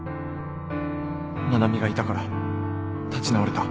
愛菜美がいたから立ち直れた